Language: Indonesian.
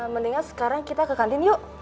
mendingan sekarang kita ke kantin yuk